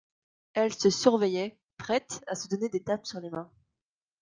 Elles se surveillaient, prêtes à se donner des tapes sur les mains.